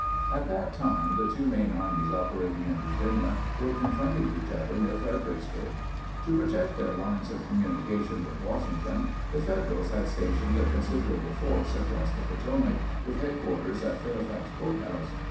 At that time the two main armies operating in Virginia were confronting each other near Fredericksburg. To protect their lines of communication with Washington, the Federals had stationed a considerable force across the Potomac, with headquarters at Fairfax Court house.